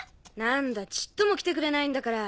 何だちっとも来てくれないんだから。